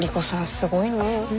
すごいね。